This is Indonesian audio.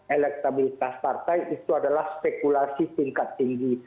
elektabilitas partai itu adalah spekulasi tingkat tinggi